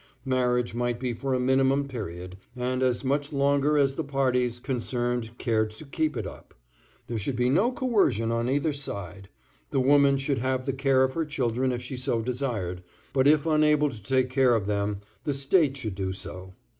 Marriage might be for a minimum period, and as much longer as the parties concerned cared to keep it up. There should be no coercion on either side. The woman should have the care of her children if she so desired, but if unable to take care of them, the State should do so.